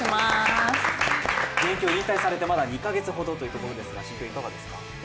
現役を引退されてまだ２か月ほどですが心境はいかがですか？